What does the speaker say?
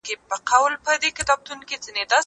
زه له سهاره مړۍ خورم!؟